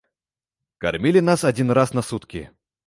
Кармілі нас адзін раз на суткі.